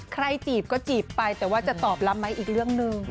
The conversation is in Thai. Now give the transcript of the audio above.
จีบก็จีบไปแต่ว่าจะตอบรับไหมอีกเรื่องหนึ่ง